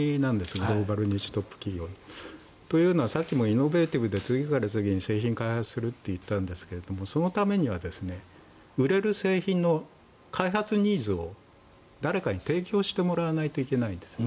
グローバルニッチトップ企業の。というのはさっきもイノベーティブで次から次に製品を開発するといったんですがそのためには売れる製品の開発ニーズを誰かに提供してもらわないといけないんですね。